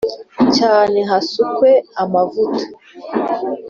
Cyane hasukwe amavuta .